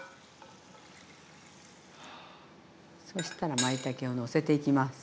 そしたらまいたけをのせていきます。